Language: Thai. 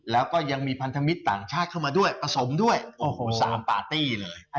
แล้วก็ยังมีพันธมิตรต่างชาติเข้ามาด้วยผสมด้วยโอ้โห๓ปาร์ตี้เลย